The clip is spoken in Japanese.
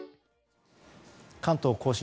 関東・甲信